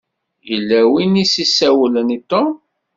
Yella win i s-isawlen i Tom.